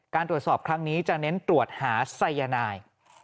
ตรวจสอบครั้งนี้จะเน้นตรวจหาสายนาย